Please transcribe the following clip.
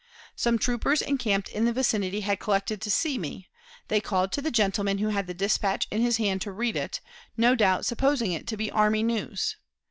Some troopers encamped in the vicinity had collected to see me; they called to the gentleman who had the dispatch in his hand to read it, no doubt supposing it to be army news.